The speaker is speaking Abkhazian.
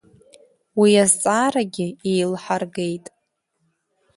Уи азҵаарагьы еилҳаргеит.